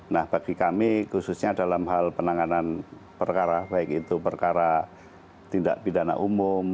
nah bagi kami khususnya dalam hal penanganan perkara baik itu perkara tindak pidana umum